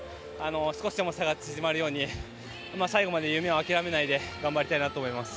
少しでも差が縮まるように最後まで夢を諦めないで頑張りたいなと思います。